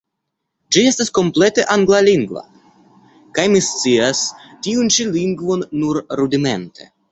Ĝi estas komplete anglalingva – kaj mi scias tiun ĉi lingvon nur rudimente.